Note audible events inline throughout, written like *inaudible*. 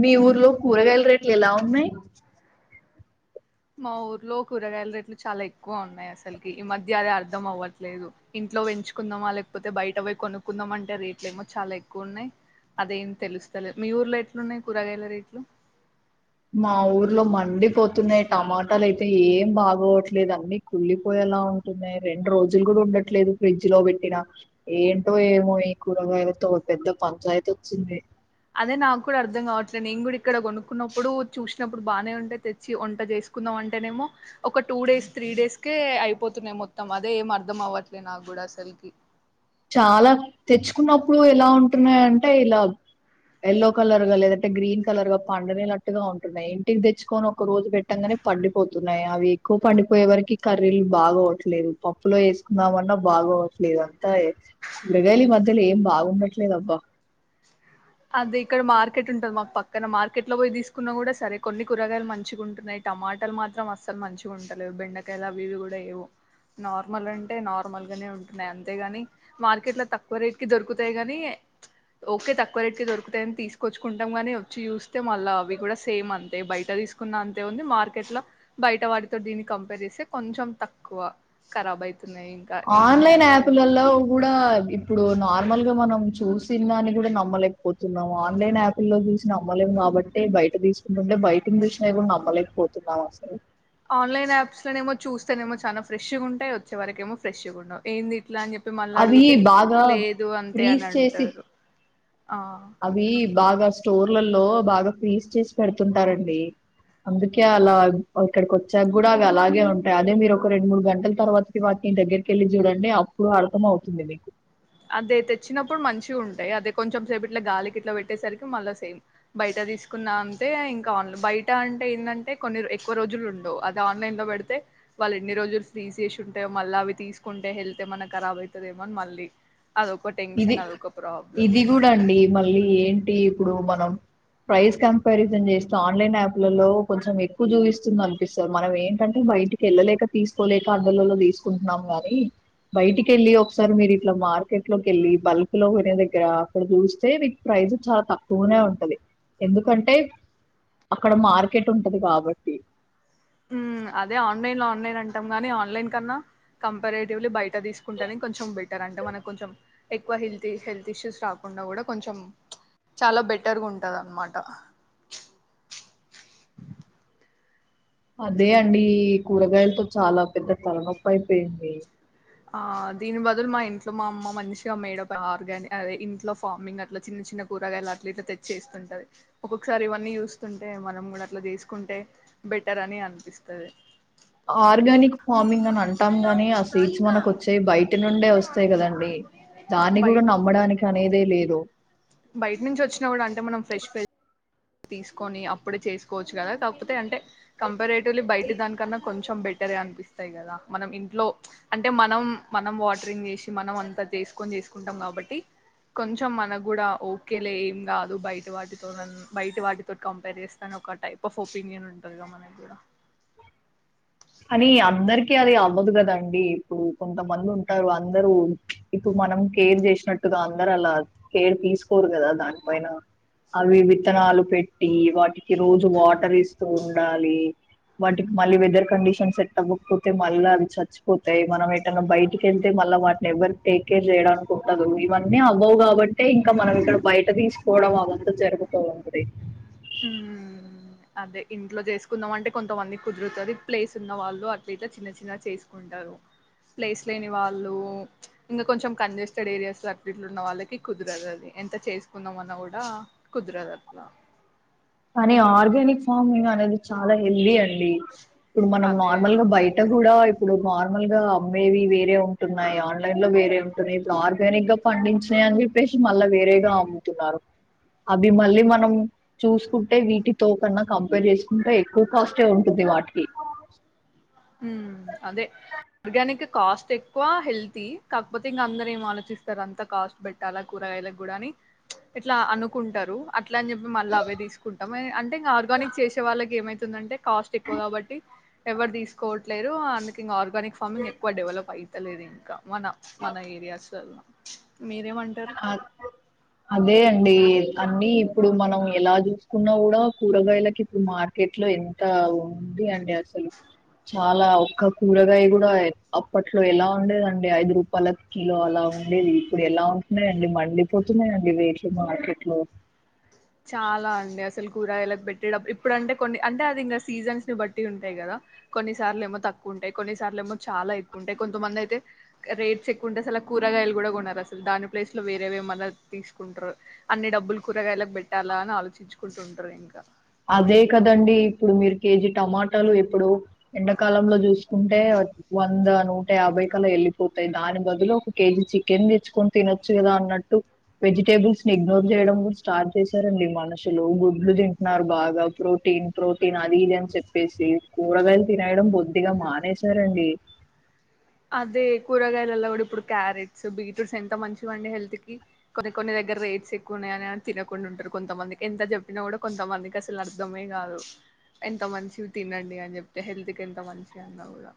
మీ ఊర్లో కూరగాయల రేట్లు ఎలా ఉన్నాయ్. మా ఊర్లో కూరగాయల రేట్లు చాలా ఎక్కువ ఉన్నాయి అసలుకి ఈ మధ్య అదే అర్ధం అవ్వట్లేదు. ఇంట్లో పెంచుకుందామా లేకపోతే బయట పోయి కొనుక్కుందాం అంటే రేట్లు ఏమో చాలా ఎక్కువ ఉన్నాయ్. అదేం తెలుస్తలేదు మీ ఊర్లో ఎట్లున్నాయి కూరగాయల రేట్లు, మా ఊర్లో మండి పోతున్నాయి టమాట్ *unintelligible* అయితే ఏం బాగోట్లేదు అన్ని కుళ్ళిపోయేలా ఉంటున్నాయి. రెండు రోజులు కూడా ఉండట్లేదు ఫ్రిడ్జ్ లో పెట్టినా ఏంటో ఏమో ఈ కూరగాయలతో పెద్ద పంచాయతీ వచ్చింది. అదే నాకు కూడా అర్ధం కావట్లేదు. నేను కూడా ఇక్కడ కొనుక్కున్నప్పుడు చూసినప్పుడు బాగానే ఉంటే తెచ్చి వంట చేసుకుందాం, అంటేనేమో ఒక టూ డేస్ త్రీ డేస్ కే అయిపోతున్నాయ్. మొత్తం అదే ఏం అర్థం అవ్వట్లేదు నాకు కూడా అసల్కి, చాలా తెచ్చుకున్నప్పుడు ఎలా ఉంటున్నాయంటే ఇలా ఏల్లో కలర్, గా లేదంటే గ్రీన్ కలర్, గా పండనేనట్టుగా ఉంటున్నాయి. ఇంటికి తెచ్చుకొని ఒక రోజు పెట్టంగానే పండిపోతున్నాయి. అవి ఎక్కువ పండిపోయే వరకి కర్రీలు బాగా అవట్లేదు. పప్పులో వేసుకున్నామన్నా బాగా అవట్లేదు. టై మృగాలి ఈమధ్యలో ఏం బాగుండట్లేదబ్బా, అదే ఇక్కడ మార్కెట్ ఉంటది మాక్ పక్కన మార్కెట్ లో పోయి దీస్కున్నా కూడా సరే కొన్ని కూరగాయలు మంచిగా ఉంటున్నాయి. టమాటాలు మాత్రం అస్సలు మంచిగ్ ఉండలేదు బెండకాయలు అవి ఇవి కూడా ఏవు నార్మల్ అంటే నార్మల్ గానే ఉంటున్నాయి. అంతేగాని మార్కెట్ లో తక్కువ రేట్ కి దొరుకుతాయి గానీ ప్చ్ ఓకే తక్ ఒక్కోరేట్కి దొరుకుతాయని తీసుకొచ్చుకుంటాం కానీ, వచ్చి చూస్తే మళ్ళ అవి కూడా సేమ్ అంతే బయట తీసుకున్న అంతే ఉంది, మార్కెట్ లో బయట వాటితో దీన్ని కంపేర్ చేస్తే కొంచెం తక్కువ ఖరాబ్ ఐత్ ఆన్లైన్ యాప్లలో కూడా ఇప్పుడు నార్మల్గా మనం చూస్ సినిమాని కూడా నమ్మలేకపోతున్నాము. ఆన్లైన్ యాప్ల్లో చూసిన్నాం నమ్మలేము కాబట్టి బయట తీసుకుంటుంటే బయటిని చూసినా కూడా నమ్మలేకపోతున్నాం అసలు ఆన్లైన్ యాప్స్లోనేమో చూస్తేనేమో చాలా ఫ్రెష్ గా ఉంటాయి వచ్చే వరకేమో ఫ్రెష్ గా ఉండవ్ ఏంది ఇట్లా అని చెప్పి మళ్ళీ అవి అడుగితే బాగా లేదు అంతే ఫ్రీజ్ అని చేసి అంటారు. ఆ అవి బాగా స్టోర్లలో బాగా ఫ్రీజ్ చేసి పెడుతుంటారండి. అందుకే అలా అక్కడిక్ వచ్చాక కూడా అ అలాగే ఉంటాయి. అదే మీరు ఒక రెండు మూడు గంటల తర్వాత తినల్ తింటే దగ్గరకి వెళ్ళి చూడ్ అంటే అప్పుడు అర్థం అవుతుంది మీకు అదే తెచ్చినప్పుడు మంచిగా ఉంటాయ్ అదే కొంచెం సేపు ఇట్లా గాలికి ఇట్లా పెట్టేసరికి మళ్ళా సేమ్ బయట తీసుకున్నా అంటే ఇంకాన్ బయట అంటే ఏంటంటే కొన్ని ఎక్కువ రోజులు ఉండవు అదే ఆన్లైన్ లో పెడితే వాళ్ళు ఎన్ని రోజులు ఫ్రీజ్ చేసి ఉంటాయో మళ్ళీ అవి తీసుకుంటే హెల్త్ ఏమన్నా కరాబ్ అవుతదేమో అన్ మళ్ళీ అదొక ఇది టెన్షన్ అదొక ప్రాబ్లం ఇది గుడా అండి మళ్ళీ ఏంటి ఇప్పుడు మనం ప్రైస్ కంపారిజన్ చేస్తే ఆన్లైన్ యాప్లలో కొంచెం ఎక్కువ చూపిస్తుంది అనిపిస్తది మనం ఏంటంటే బయటికి ఎళ్ళలేక తీసుకోలేక అందుళ్లలో తీసుకుంటున్నాం గాని బయటికి ఎళ్ళి ఒకసారి మీరు ఇట్లా మార్కెట్ లోకి వెళ్ళి బల్క్ లో కొనే దగ్గర అక్కడ చూస్తే మీకు ప్రైజ్ చాలా తక్కువనే ఉంటది ఎందుకంటే అక్కడ మార్కెట్ ఉంటది కాబట్టి హుమ్ అదే ఆన్లైన్ లో ఆన్లైన్ అంటాం గాని ఆన్లైన్ కన్నా కంపారేటివ్లీ బయట తీసుకుంటేనే కొంచెం బెటర్ అంటే మనకు కొంచెం ఎక్కువ హెల్త్ హెల్త్ ఇష్యూస్ రాకుండా కూడా కొంచెం ప్చ్ చాలా బెటర్ గా ఉంటది అనమాట అదే అండి కూరగాయలతో చాలా పెద్ద తలనొప్పి అయిపోయింది ఆ దీని బదులు మా ఇంట్లో మా అమ్మ మంచిగా మేడ్ ఆర్గానిక్ అదే ఇంట్లో ఫార్మింగ్ అట్లా చిన్న చిన్న కూరగాయలు అట్లా ఇట్లా తెచ్చేస్తుంటది ఒక్కొక్కసారి ఇవన్నీ చూస్తుంటే మనం కూడా అట్లా చేసుకుంటే బెటర్ అని అనిపిస్తుంది ఆర్గానిక్ ఫార్మింగ్ అని అం అంటాం గాని ఆ సీడ్స్ మనకు వచ్చేవి బయటి నుండే వస్తాయి కదండి దాన్ని బయ కూడా నమ్మడానికి అనేదే లేదు బయట నుంచి వచ్చినా గుడా అంటే మనం ఫ్రెష్ తీసుకొని అప్పుడే చేసుకోవచ్చు కదా కాకపోతే అంటే కం రేటలి బయటి దానికన్నా కొంచెం బెటరే అనిపిస్తాయి కదా మనం ఇంట్లో అంటే మనం మనం వాటరింగ్ చేసి మనం అంతా చేసుకొని చేసుకుంటాం కాబట్టి కొంచెం మనకు కూడా ఓకే లే ఏం కాదు బయట వాటితో బయటి వాటితో కంపేర్ చేస్తానే ఒక టైప్ ఆఫ్ ఒపీనియన్ ఉంటుందిగా మనకి కూడా అని అందరికి అది అవ్వదు గదండి ఇప్పుడు కొంతమంది ఉంటారు అందరూ ఇప్పుడు మనం కేర్ చేసినట్టుగా అందరు అలా కేర్ తీసుకోరు కదా దానిపైన అవి విత్తనాలు పెట్టి వాటికి రోజు వాటర్ ఇస్తూ ఉండాలి వాటికి మళ్ళీ వెదర్ కండిష్ చం సెట్ అవ్వకపోతే మళ్ళ అవి చచ్చిపోతాయి మనం ఎటైనా బయటికి వెళ్తే మళ్ళీ వాటిని ఎవరి టేక్ కేర్ చేయడానికి ఉండదు ఇవన్నీ అవావ్ కాబట్టే ఇంకా మనం ఇక్కడ బయట తీసుకోవడం అవంతా జరుగుతూ ఉంటది మ్మ్ అదే ఇంట్లో చేసుకుందాం అంటే కొంతమంది కుదురుతది ప్లేస్ ఉన్న వాళ్ళు అట్ల ఇట్ల చిన్న చిన్నగా చేసుకుంటారు ప్లేస్ లేని వాళ్ళు ఇంకా కొంచెం కంజెస్టెడ్ ఏరియాస్ లో అట్ల ఇట్లు ఉన్న వాళ్ళకి కుదరదు అది ఎంత చేసుకుందాం అన్న కూడా కుదర దట్ల కానీ ఆర్గానిక్ ఫార్మింగ్ అనేది చాలా హెల్దీ అం డి ఇప్పుడు మనం అదే నార్మల్ గా బయట కూడా ఇప్ ఇప్పుడు నార్మల్ గా అమ్మేవి వేరే ఉంటున్నాయి ఆన్లైన్ లో వేరే ఉంటున్నాయి ఇప్పుడు ఆర్గానిక్ గా పండించినయి అని చెప్పేసి మళ్ళా వేరేగా అమ్ముతున్నారు మీ మళ్ళీ మనం చూసుకుంటే వీటితో కన్నా కంపేర్ చేసుకుంటే ఎక్కువ కాస్టే ఉంటుంది వాటికి మ్మ్ అదే ఆర్గానిక్ కాస్ట్ ఎక్కువ హెల్తీ కాకపోతే ఇంక అందరు ఏం ఆలోచిస్తారు అంతా కాస్ట్ పెట్టాలా కూరగాయలకు కూడా అని ఇట్లా అనుకుంటారు అట్ల అని చెప్పి మళ్ళీ అవే తీసుకుంటాం అంటే ఇంకా ఆర్గానిక్ చేసే వాళ్ళకి ఏమైతుందంటే కాస్ట్ ఎక్కువ కాబట్టి ఎవరు తీసు కోట్లేరు అందుకు ఇంగా ఆర్ ఆర్గానిక్ ఫార్మింగ్ ఎక్కువ డెవలప్ అయి తెలీదు ఇంకా మన మన ఏరియాస్ లల్ల మీ అద్ అదే అండి అన్నీ ఇప్పుడు మనం ఎలా చూసుకున్నా కూడా కూరగాయలకి ఇప్పుడు మార్కెట్ లో ఎంత ఉంది అండి అసలు చాలా ఒక్క కూరగాయ కూడా అప్పట్లో ఎలా ఉండేదండి ఐదు రూపాయల కిలో అలా ఉండేది ఇప్పుడు ఎలా ఉ ఉండి మండి పోతున్నాయండి రేట్లు మార్కెట్ లో చాలా అండి అసలు కూరగాయలకు పెట్టే డబ్బు ఇప్పుడు అంటే కొన్ని అంటే అది ఇంకా సీజన్స్ ని బట్టి ఉంటాయి కదా కొన్నిసార్లు ఏమో తక్కువ ఉంటాయి కొన్నిసార్లు ఏమో చాలా ఎక్కువ ఉంటాయి కొంతమంది అయితే రేట్స్ ఎక్కువ ఉంటాయి అసలు కూరగాయలు కూడా కొనరు అసలు దాని ప్లేస్ లో వేరేవేమన్నా తీసుకుంటారు అన్ని డబ్బులు కూరగాయలకు పెట్ ఎలా అని ఆలోచించుకుంటూ ఉంటారు ఇంకా అదే కదండి ఇప్పుడు మీరు కేజీ టమాటాలు ఇప్పుడు ఎండాకాలంలో చూసుకుంటే వంద నూట యాభై కలా వెళ్ళిపోతాయి దాని బదులు ఒక కేజీ చికెన్ తెచ్చుకొని తినొచ్చు కదా అన్నట్టు వెజిటేబుల్స్ ని ఇగ్నోర్ చేయడం కూడా స్టార్ట్ చేశారండి మనుషులు గుడ్లు తి టున్నారు బాగా ప్రోటీన్ ప్రోటీన్ అది ఇది అని చెప్పేసి కూరగాయలు తినేయడం బొద్దిగా మానేసారండి అదే కూరగాయ లల్లా కూడా ఇప్పుడు క్యారెట్స్ బీట్రూట్స్ ఎంత మంచివి అండి హెల్త్ కి కొన్ని కొన్ని దగ్గర రేట్స్ ఎక్కువ ఉన్నాయని తినకుండా ఉంటారు కొంతమందికి ఎంత చెప్పినా కూడా కొంతమందికి అసలు అర్థమే కాదు ఎంత మంచివి తినండి అని చెప్తే హెల్త్ కి ఎంత మంచివి అన్నా కూడా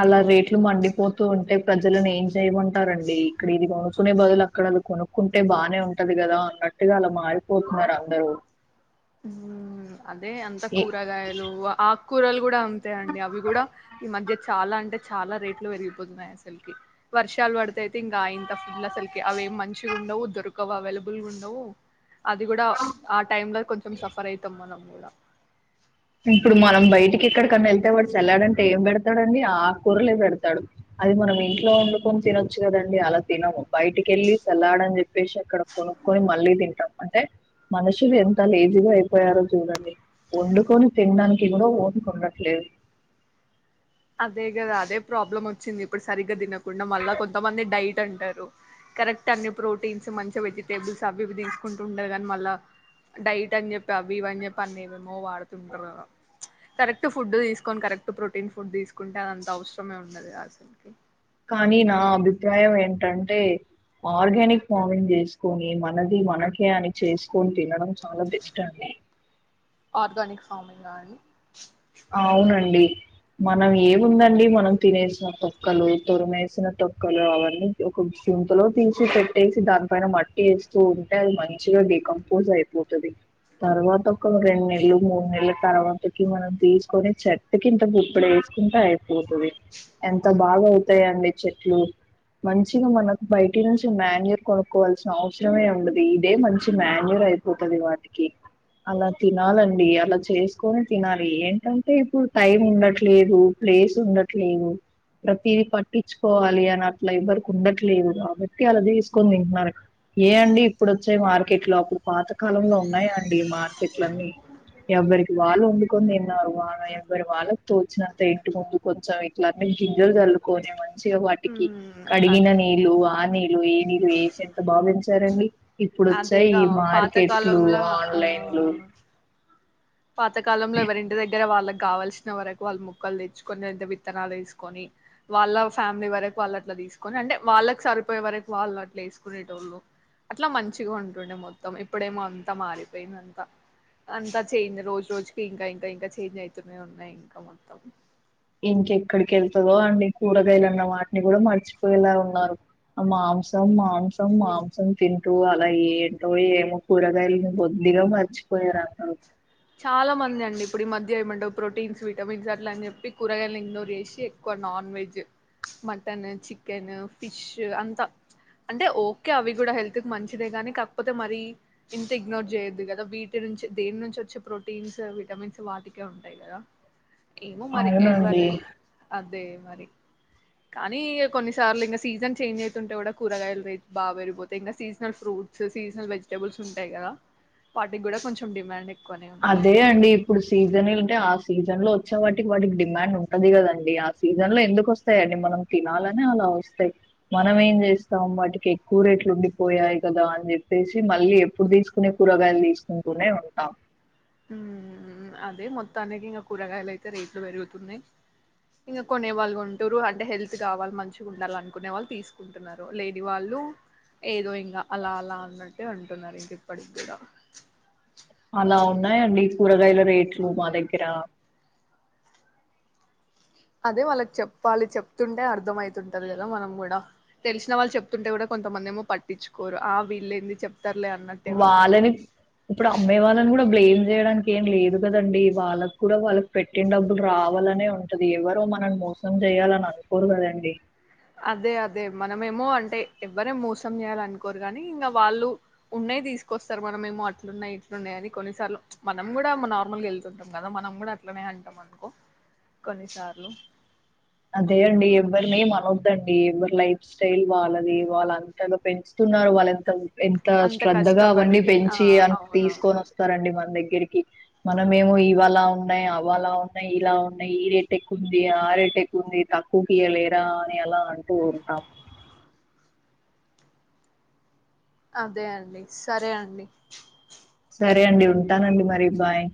అలా రేట్లు మండిపోతూ ఉంటే ప్రజలను ఏం చేయమంటారండి ఇక్కడ ఇది కొనుక్కునే బదులు అక్కడది కొనుక్కుంటే బాగానే ఉంటది కదా అన్నట్టుగా అలా మారిపోతున్నారు అందరూ అదే అంత ఎ కూరగాయలు ఆక్ కూరలు కూడా అంతే అండి అవి కూడా ఈ మధ్య చాలా అంటే చాలా రేట్లు పెరిగిపోతున్నాయి అసలుకి వర్షాలు వడితే అయితే ఇంకా అయింత ఫుడ్లు అసలుకకే అవేం మంచిగా ఉండవు దొరకవు అవైలబుల్ గా ఉండవు అది కూడా ఆ టైమ్ లో కొంచం సఫర్ అయితం మనం కూడా ఇప్పుడు మనం బయటికి ఎక్కడికన్నా వెళ్తే వాడు సల్లాడంటే ఏం పెడతడండి ఆకూరలే పెడతాడు అది మనం ఇంట్లో వండుకొని తినొచ్చు కదండి అలా తినము బయటికి కేళ్ళి సల్లాడని చెప్పేసి అక్కడ కొనుక్కొని మళ్ళీ తింటాం అంటే మనుషులు ఎంత లేజీగా అయిపోయారో చూడండి వండుకొని తిన్డానికి కూడా ఓపిక ఉండట్లేదు అదే కదా అదే ప్రాబ్లమ్ వచ్చింది ఇప్పుడు సరిగ్గా తినక్ కుడం వల్ల కొంతమంది డైట్ తంటారు కరెక్ట్ అన్ని ప్రోటీన్స్ మంచి వెజిటేబుల్స్ అవి ఇవి తీసుకుంటు ఉండాలే కానీ మళ్ళా డైట్ అని చెప్పి అవి ఇవి అని చెప్పి అన్ని ఎం ఏమో వాడుతుంటారు కరెక్ట్ ఫుడ్ తీసుకొని కరెక్ట్ ప్రోటీన్ ఫుడ్ తీసుకుంటే అంత అవసరమే ఉండదు అసల్కి కానీ నా అభిప్రాయం ఏంటంటే ఆర్గానిక్ ఫార్మింగ్ చేసుకొని మనది మనకే అని చేసుకొని తినడం చాలా బెస్ట్ అండి ఆర్గానిక్ ఫార్మింగ్ ఆ అండి అవునండి మనం ఏముందండి మనం తినేసిన తొక్కలు తురిమేసిన తొక్కలు అవన్నీ ఒక చింతలో తీసి పెట్టేసి దానిపైన మట్టి వేస్తూ ఉంటే అది మంచిగా డీకంపోజ్ అయిపోతుది తర్వాత ఒక రెండు నెల్లు మూడు నెల్లు తర్వాతకి మనం తీసుకొని చెట్టు కి ఇంత గుప్పెడు ఏసుకుంటే అయ్ తురుతది ఎంతూన్ బాగా ఉంటాయండి చెట్లు మంచిగా మనకు బయటి నుంచి మాన్యూర్ కొనుక్కోవాల్సిన అవసరమే ఉండది ఇదే మంచి మాన్యూర్ అయిపోతుంది వాటికి అలా తినాలండి అలా చేసుకుని తినాలి ఏంటంటే ఇప్పుడు టైం ఉండట్లేదు ప్లేస్ ఉండట్లేదు ప్రతిది పట్టించుకోవాలి అని అట్లా ఎవ్వరికి ఉండట్లేదు కాబట్టి అలా తీసుకుని తింటున్నారు ఏ అండి ఇప్పుడు వచ్చాయి మార్కెట్లు అప్పుడు పాతకాలంలో ఉన్నాయాండి మార్కెట్లున్ని ఎవ్వరికి వాళ్ళు ఉ కొని తిన్నారు వాళ్ళ ఎవ్వరు వాళ్ళకు తోచినంత ఇంటి ముందు కూర్చొని ఇట్లాన్ని గింజలు చల్లుకొనే మంచిగా వాటికి ఉమ్, కడిగిన అదే నీళ్ళు ఆ నీ ఏ నీరు ఏసీ ఎంత బాగా పెంచా రండి ఇప్పుడు వచ్చాయ్ ఈ అదేగా మార్కెట్లు పాతకాలంలో ఆన్లైన్లు ఆ పాతకాలంలో ఎవరింటి దగ్గర వాళ్ళకి కావాల్సిన వరకు వాళ్ళు ముక్కలు తెచ్చుకొని విత్తనాలు వేసుకొని వాళ్ళ ఫ్యామిలీ వరకు వాళ్ళ అట్లా తీసుకొని అంటే వాళ్ళకి సరిపోయే వరకు వాళ్ళు అట్లా వేసుకునేటోళ్ళు అట్లా మంచిగా ఉంటుండే మొత్తం ఇప్పుడేమో అంతా మారిపోయింది అంతా అంతా చేంజ్ రోజు రోజుకి ఇంకా ఇంకా ఇంకా చేంజ్ అవుతూనే ఉన్నాయ్ ఇంకా మొత్తం ఇంకెక్కడికి ఎళ్తదో అండి కూరగాయలు అన్న వాటిని గుడా మర్చిపోయేలా ఉన్నారు ఆ మాంసం మాంసం మాంసం తింటూ అలా ఏంటో ఏమో కూరగాయలని బొద్దిగా మర్చిపోయారు అందరు చాలా మంది అండి ఇప్పుడు ఈ మధ్య ఏమంటవు ప్రోటీన్స్ విటమిన్స్ అట్లా అని చెప్పి కూరగాయలను ఇగ్నోర్ చేసి ఎక్కువ non veg mutton chicken fish అంతా అంటే ఓకే అవి కూడా హెల్త్ కి మంచిదే కాని కాకపోతే మరీ ఇంత ఇగ్నోర్ చేయొద్దు కదా వీటి నుంచి దేని నుంచి వచ్చే ప్రోటీన్స్ విటమిన్స్ వాటికే ఉంటాయి కదా ఏమో మరి అవునండి ఎవరన్న అంతే మరి కానీ ఇక కొన్నిసార్లు ఇంకా సీజన్ చేంజ్ అయితుంటే కూడా కూరగాయలుే బా పెరిపోతయ్ ఇంకా సీజనల్ ఫ్రూట్స్ సీజనల్ వెజిటబుల్స్ ఉంటాయి కదా వాటికి కూడా కొంచెం డిమాండే అదే అండి ఇప్పుడు సీజన్ అంటే ఆ సీజన్ లో వచ్చే వాటికి వాటికి డిమాండ్ ఉంటది కదండి ఆ సీజన్ లో ఎందుకు వస్తాయండి మనం తినాలనే అలా వస్తాయి మనం ఏం చేస్తాం వాటికి ఎక్కువ రేట్లు ఉండిపోయాయి కదా అని చెప్పేసి మళ్ళీ ఎప్పుడు తీసుకునే కూరగాయలు తీసుకుంటూనే ఉంటాం ఉ అదే మొత్తానికి ఇంకా కూరగాయలు అయితే రేట్లు పెరుగుతున్నాయ్ ఇంకా కొనే వాళ్ళు కొంటరు అంటే హెల్త్ కావాలి మంచిగా ఉండాల అనుకునే వాళ్ళు తీసుకుంటున్నారు లేని వాళ్ళు ఏదో ఇంకా అలా అలా అన్నట్టే అంటున్నారు ఇంక ఇప్పటికి కూడా అలా ఉన్నాయండి కూరగాయల రేట్లు మా దగ్గర అదే వాళ్ళకి చెప్పాలి చెప్తుంటే అర్థం అయితుంటది కదా మనం కూడా తెలిసిన వాళ్ళు చెప్తుంటే కూడా కొంతమంది ఏమో పట్టించుకోరు ఆ వీళ్ళ ఏంది చెప్ వాళ్ళని ఇప్పుడు అమ్మేవాలని కూడ బ్లేెయిమ్ చేయడానికి ఏం లేదు కదండి వాళ్ళకి కూడా వాళ్ళకి పెట్టిన డబ్బులు రావాలనే ఉంటది ఎవరో మనల్ని మోసం చేయాలని అనుకోరు కదండి అదే అదే మనమేమో అంటే ఎవ్వరేం మోసం చేయాలి అనుకోరు కానీ ఇంకా వాళ్ళు ఉన్నాయ్ తీసుకొస్తారు మనమేమో అట్లున్నాయి ఇట్లున్నాయి అది కొన్నిసార్లు ప్చ్ మనం కూడా నార్మల్గా వెళ్తుంటాం కదా మనం కూడా అట్లనే అంటాం అనుకో కొన్నిసార్లు అదే అండి ఎవ్వరినేం అనోద్దండి ఎవరు లైఫ్ స్టైల్ వాళ్ళది వాళ్ళంతగా పెంచుతున్నారు వాళ్ళంత ఎంత అంత శ్రద్ధగా కష్టపడి అవన్నీ ఆ పెంచీ అ అవునవును తీసుకొని వస్తారండి మన దగ్ దగ్గరికి మనమేమో ఇవలా ఉన్నాయ్ అవలా ఉన్నాయ్ ఇలా ఉన్నాయ్ ఈ రేట్ ఎక్కుంది ఆ రేట్ ఎక్ ఉంది తక్కువ కీయలేరా అని అలా అంటూ ఉంటాం అదే అండి సరే అండి సరే అండి ఉంటానండి మరి బాయ్